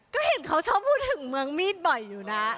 ก็เห็นเขาชอบพูดถึงเมืองมีดบ่อยอยู่นะ